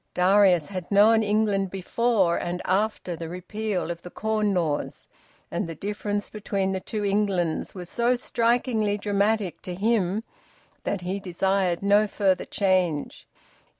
Darius had known England before and after the repeal of the Corn Laws, and the difference between the two Englands was so strikingly dramatic to him that he desired no further change.